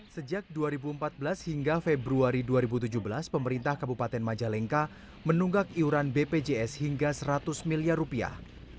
sejak dua ribu empat belas hingga februari dua ribu tujuh belas pemerintah kabupaten majalengka menunggak iuran bpjs hingga seratus miliar rupiah